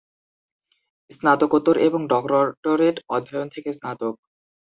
স্নাতকোত্তর এবং ডক্টরেট অধ্যয়ন থেকে স্নাতক।